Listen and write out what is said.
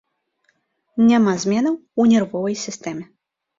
Няма зменаў у нервовай сістэме.